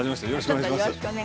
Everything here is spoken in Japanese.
よろしくお願いします。